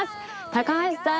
高橋さん